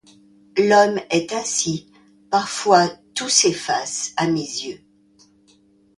L'homme est ainsi. Parfois tout s'efface à mes yeux